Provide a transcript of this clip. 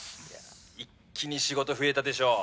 「一気に仕事増えたでしょ？」